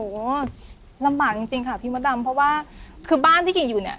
โอ้โหลำบากจริงจริงค่ะพี่มดดำเพราะว่าคือบ้านที่กิ่งอยู่เนี่ย